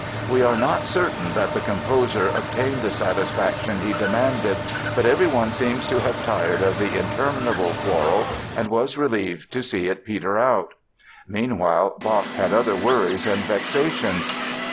We are not certain that the composer obtained the satisfaction he demanded, but everyone seems to have tired of the interminable quarrel and was relieved to see it peter out. Meanwhile, Bach had other worries and vexations.